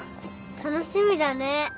楽しみだね。